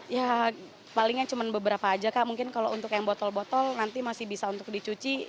ya palingnya cuma beberapa aja kak mungkin kalau untuk yang botol botol nanti masih bisa untuk dicuci